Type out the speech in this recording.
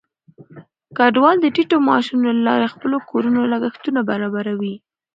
کډوال د ټیټو معاشونو له لارې د خپلو کورونو لګښتونه برابروي.